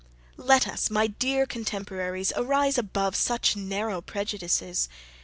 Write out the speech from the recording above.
Let us, my dear contemporaries, arise above such narrow prejudices!